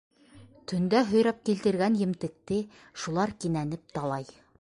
Төндә һөйрәп килтергән емтекте шулар кинәнеп талай.